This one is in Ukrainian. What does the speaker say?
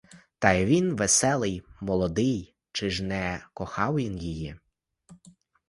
Та й він веселий, молодий, чи ж не кохав він її?